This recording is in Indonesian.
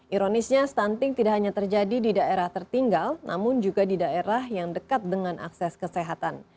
ironisnya stunting tidak hanya terjadi di daerah tertinggal namun juga di daerah yang dekat dengan akses kesehatan